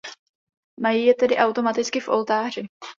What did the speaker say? Mají je tedy automaticky v oltáři.